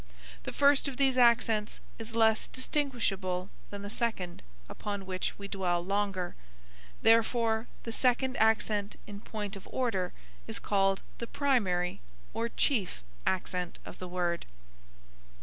The first of these accents is less distinguishable than the second, upon which we dwell longer; therefore the second accent in point of order is called the primary, or chief accent of the word.